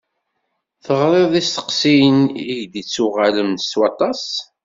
Teɣriḍ isteqsiyen i d-yettuɣalen s waṭas.